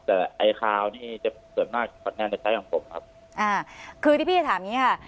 แต่ไอคราวนี่จะเสริมหน้าคอนแนนในใจของผมครับอ่าคือที่พี่จะถามอย่างงี้ค่ะ